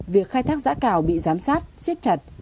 việc khai thác giã cào bị giám sát xiết chặt